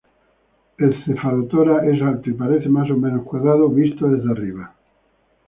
El cefalotórax es alto y parece más o menos cuadrado visto desde arriba.